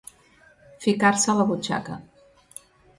Ficar-se a la butxaca.